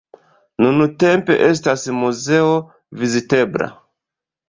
Nuntempe estas muzeo vizitebla.